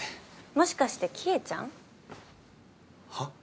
もしかして希恵ちゃん？は？